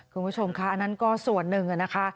คุณผู้ชมค่ะอันนั้นก็ส่วนหนึ่งนะคะ